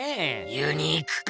ユニークか？